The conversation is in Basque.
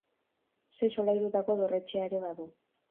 Sei solairutako dorretxea ere badu.